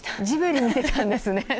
ジブリ見てたんですね！